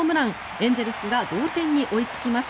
エンゼルスが同点に追いつきます。